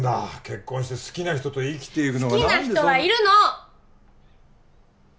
結婚して好きな人と生きていくのが好きな人はいるの！